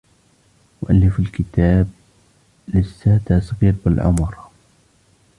مؤلف الكتاب لساته صغير بالعمر